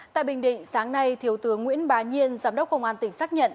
tại bình định sáng nay thiếu tướng nguyễn bà nhiên giám đốc công an tỉnh xác nhận